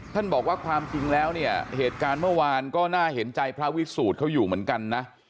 ท่านบอกว่าความจริงแล้วเนี่ยเหตุการณ์เมื่อวานก็น่าเห็นใจพระวิสูจน์เขาอยู่เหมือนกันนะ